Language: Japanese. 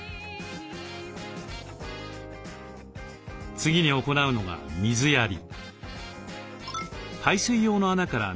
次に行うのが水やり。